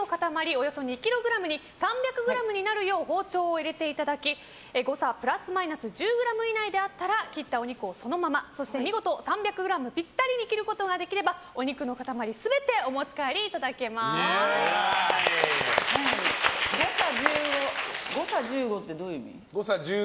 およそ２ｋｇに３００ｇになるよう包丁を入れていただき誤差プラスマイナス１０ｇ以内であったら切ったお肉をそのままそして見事３００ｇぴったりに切ることができればお肉の塊誤差１０ｇってどういう意味？